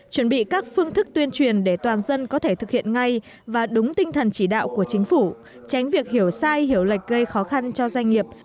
chuẩn bị các phương thức tuyên truyền để toàn dân có thể thực hiện ngay và đúng tinh thần chỉ đạo của chính phủ tránh việc hiểu sai hiểu lệch gây khó khăn cho doanh nghiệp